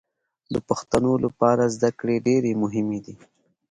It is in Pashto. د پښتنو لپاره زدکړې ډېرې مهمې دي